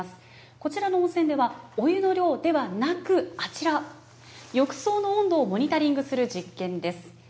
こちらの温泉では、お湯の量ではなく、あちら、浴槽の温度をモニタリングする実験です。